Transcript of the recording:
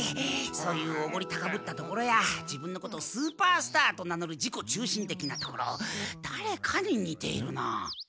そういうおごり高ぶったところや自分のことをスーパースターと名のる自己中心的なところだれかににているな。